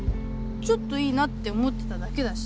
ちょっといいなって思ってただけだし。